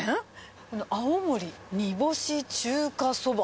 この青森煮干中華そば。